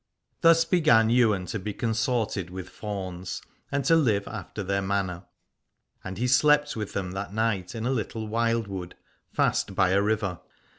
Thus began Ywain to be consorted with fauns, and to live after their manner: and he slept with them that night in a little wildwood fast by a river.